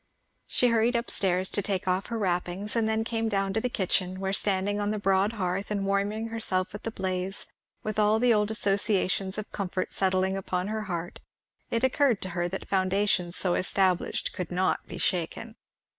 She hurried up stairs to take off her wrappings and then came down to the kitchen, where standing on the broad hearth and warming herself at the blaze, with all the old associations of comfort settling upon her heart, it occurred to her that foundations so established could not be shaken.